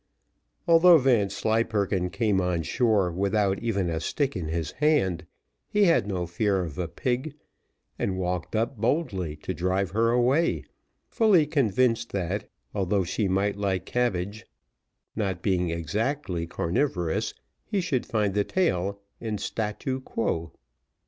Although Vanslyperken came on shore without even a stick in his hand, he had no fear of a pig, and walked up boldly to drive her away, fully convinced that, although she might like cabbage, not being exactly carnivorous, he should find the tail in status quo.